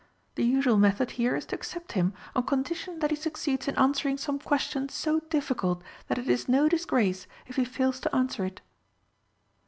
The usual method here is to accept him, on condition that he succeeds in answering some question so difficult that it is no disgrace if he fails to answer it."